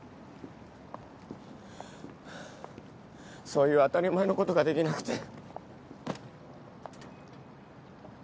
そういう当たり前のことができなくて。